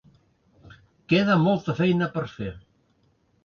Queda molta feina per fer!